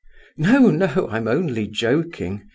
No, no! I'm only joking!"